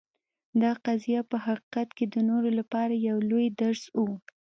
دا قضیه په حقیقت کې د نورو لپاره یو لوی درس و.